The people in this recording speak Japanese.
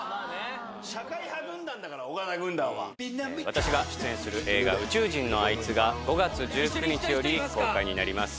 私が出演する映画「宇宙人のあいつ」が５月１９日より公開になります。